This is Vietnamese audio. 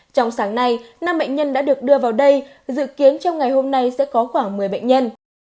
trong sáng nay năm bệnh nhân đã được đưa vào đây dự kiến trong ngày hôm nay sẽ có khoảng một mươi bệnh nhân